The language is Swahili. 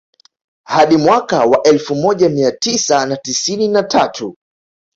Hadi mwaka wa elfu moja mia tisa na tisini na tatu